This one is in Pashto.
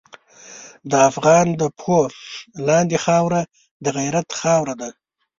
د افغان د پښو لاندې خاوره د غیرت خاوره ده.